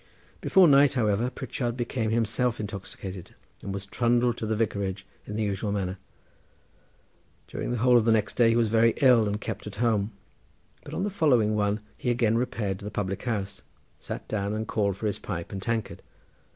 Before night, however, Pritchard became himself intoxicated, and was trundled to the vicarage in the usual manner. During the whole of the next day he was ill and kept at home, but on the following one he again repaired to the public house, sat down and called for his pipe and tankard.